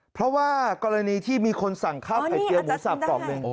เพราะว่ากรณีที่มีคนสั่งข้าวไข่เจียวหมูสับกล่องหนึ่ง